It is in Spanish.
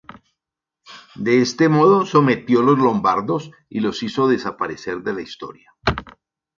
De este modo sometió los lombardos y los hizo desaparecer de la Historia.